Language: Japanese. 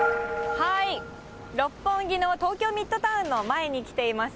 六本木の東京ミッドタウンの前に来ています。